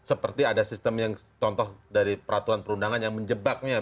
seperti ada sistem yang contoh dari peraturan perundangan yang menjebaknya